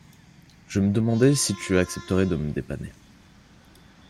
Je me demandais si tu accepterais de me dépanner.